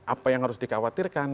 apa yang harus dikhawatirkan